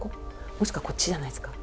もしくはこっちじゃないですか。